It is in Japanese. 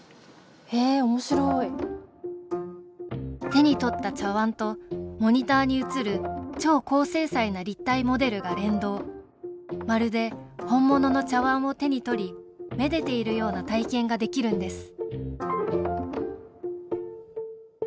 手に取った茶碗とモニターに映る超高精細な立体モデルが連動まるで、本物の茶碗を手に取りめでているような体験ができるんです